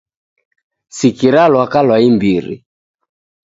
Sikira lwaka lwa imbiri